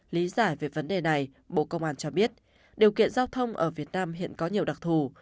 lý giải về vấn đề này bộ công an cho biết điều kiện giao thông ở việt nam hiện có nhiều đặc thù